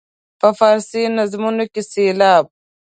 په فارسي نظمونو کې سېلاب.